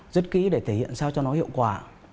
rất kỹ để thể hiện sao cho nó hiệu quả